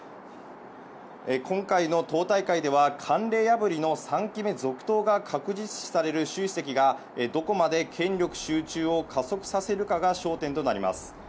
今回の党大会では、慣例破りの３期目続投が確実視されるシュウ主席がどこまで権力集中を加速させるかが焦点となります。